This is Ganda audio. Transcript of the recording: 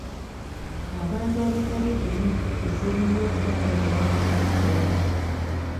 Abantu abatali bumu kizibu nnyo okubaako kye batuukako awamu.